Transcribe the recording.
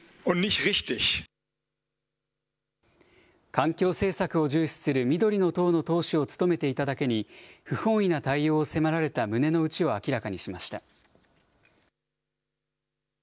環境政策を重視する緑の党の党首を務めていただけに、不本意な対応を迫られた胸の内を明らかにしました。